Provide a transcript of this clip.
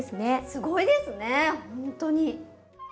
すごいですねほんとに。